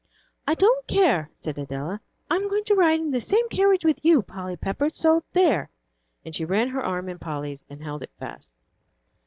"I don't care," said Adela, "I'm going to ride in the same carriage with you, Polly Pepper, so there!" and she ran her arm in Polly's, and held it fast.